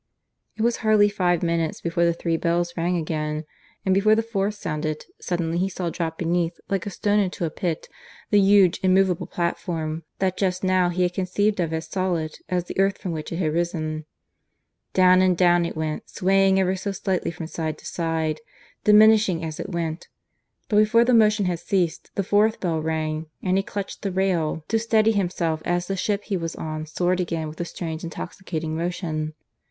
... It was hardly five minutes before the three bells rang again; and before the fourth sounded, suddenly he saw drop beneath, like a stone into a pit, the huge immovable platform that just now he had conceived of as solid as the earth from which it had risen. Down and down it went, swaying ever so slightly from side to side, diminishing as it went; but before the motion had ceased the fourth bell rang, and he clutched the rail to steady himself as the ship he was on soared again with a strange intoxicating motion.